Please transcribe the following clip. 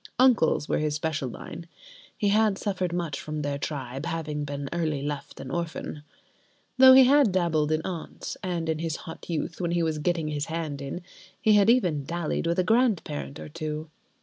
Uncles were his special line—(he had suffered much from their tribe, having been early left an orphan)—though he had dabbled in aunts, and in his hot youth, when he was getting his hand in, he had even dallied with a grand parent or two.